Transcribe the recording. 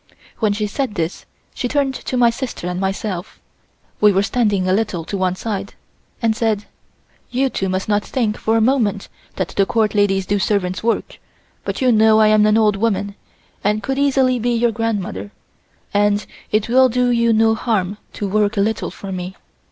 When she said this she turned to my sister and myself, we were standing a little to one side, and said: "You two must not think for a moment that the Court ladies do servant's work, but you know I am an old woman and could easily be your grandmother and it will do you no harm to work a little for me.